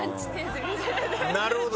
なるほど！